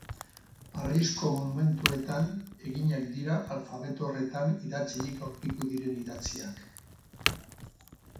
Harrizko monumentuetan eginak dira alfabeto horretan idatzirik aurkitu diren idatziak.